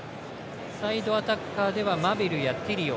サイドアタッカーではマビルやティリオ